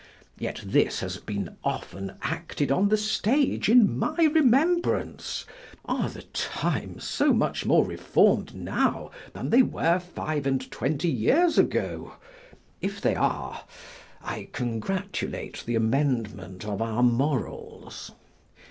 Yet this has been often acted on the stage in my remembrance. Are the times so much more reform'd now than they were five and twenty years ago? If they are, I congratulate the amendment of our morals.